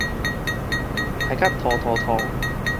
害甲塗塗塗